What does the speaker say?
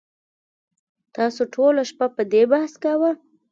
تاسو ټوله شپه په دې بحث کاوه